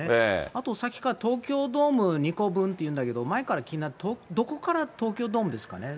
あとさっきから東京ドーム２個分っていうんだけど、前から気になってたけど、どこから東京ドームですかね？